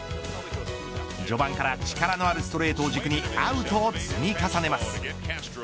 序盤から力のあるストレートを軸にアウトを積み重ねます。